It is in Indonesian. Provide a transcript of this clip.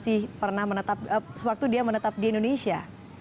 sebelah pulau dia pernah menetap sewaktu dia menetap di indonesia